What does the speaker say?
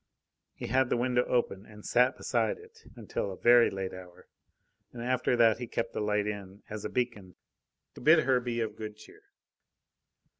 He had the window open and sat beside it until a very late hour; and after that he kept the light in, as a beacon, to bid her be of good cheer.